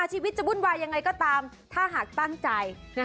ชีวิตจะวุ่นวายยังไงก็ตามถ้าหากตั้งใจ